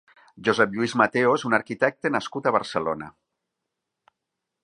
Josep Lluís Mateo és un arquitecte nascut a Barcelona.